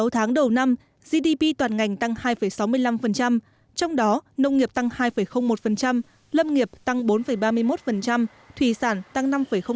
sáu tháng đầu năm gdp toàn ngành tăng hai sáu mươi năm trong đó nông nghiệp tăng hai một lâm nghiệp tăng bốn ba mươi một thủy sản tăng năm